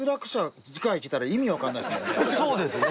そうですね。